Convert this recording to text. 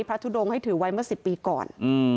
ทุดงให้ถือไว้เมื่อ๑๐ปีก่อน